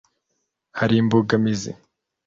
hari imbogamizi